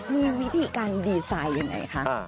มีวิธีการดีไซน์ยังไงคะ